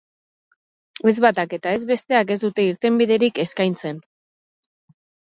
Ez batak eta ez besteak ez dute irtenbiderik eskaintzen.